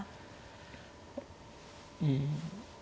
うん。